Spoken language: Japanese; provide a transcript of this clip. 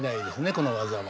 この技は。